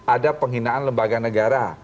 ada penghinaan lembaga negara